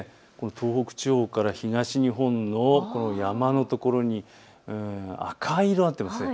東北地方から東日本のこの山のところに、赤色になってます。